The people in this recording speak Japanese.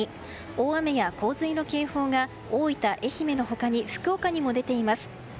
大雨や洪水の警報が大分、愛媛の他に福岡にも出ています。